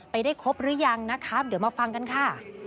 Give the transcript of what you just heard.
ได้ครบหรือยังนะคะเดี๋ยวมาฟังกันค่ะ